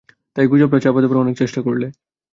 তাই, গুজবটা চাপা দেবার অনেক চেষ্টা করলে।